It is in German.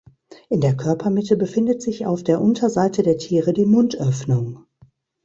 In der Körpermitte befindet sich auf der Unterseite der Tiere die Mundöffnung.